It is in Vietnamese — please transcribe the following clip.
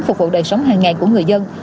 phục vụ đời sống hàng ngày của người dân